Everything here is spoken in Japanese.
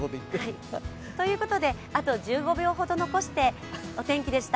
あと１５秒ほど残してお天気でした。